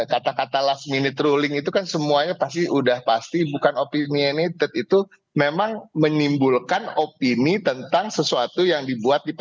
kata kata last minute ruling itu kan semuanya pasti udah pasti bukan opinioneted itu memang menimbulkan opini tentang sesuatu yang dibuat